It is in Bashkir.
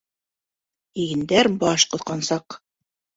Игендәр баш ҡоҫҡан саҡ.